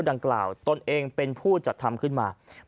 เนื่องจากว่าอยู่ระหว่างการรวมพญาหลักฐานนั่นเองครับ